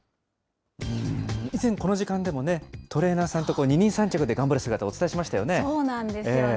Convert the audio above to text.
以前、この時間でもね、トレーナーさんと二人三脚で頑張る姿をお伝えしましたよね。